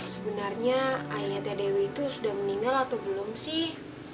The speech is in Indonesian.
sebenarnya ayahnya teh dewi tuh sudah meninggal atau belum sih